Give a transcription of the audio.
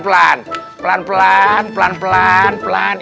pelan pelan pelan pelan